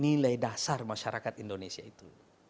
nilai dasar masyarakat indonesia itu